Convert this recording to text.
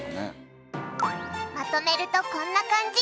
まとめるとこんな感じ。